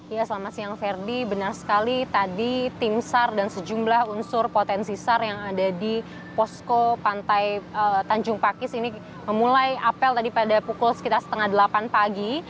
ya selamat siang ferdi benar sekali tadi tim sar dan sejumlah unsur potensi sar yang ada di posko pantai tanjung pakis ini memulai apel tadi pada pukul sekitar setengah delapan pagi